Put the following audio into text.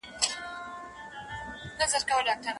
د ميرمني مکلفيت څه دی؟